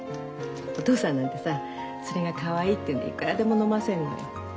お父さんなんてさそれがかわいいっていうんでいくらでも飲ませるのよ。